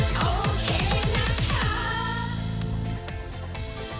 โอเคนะคะ